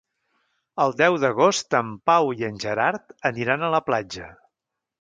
El deu d'agost en Pau i en Gerard aniran a la platja.